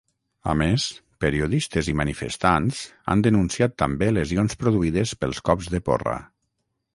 A més, periodistes i manifestants han denunciat també lesions produïdes pels cops de porra.